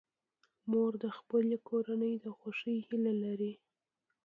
مور د خپلې کورنۍ د خوښۍ هیله لري.